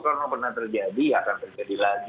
kalau pernah terjadi ya akan terjadi lagi